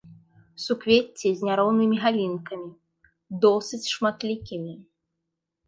Суквецці з няроўнымі галінкамі, досыць шматлікімі.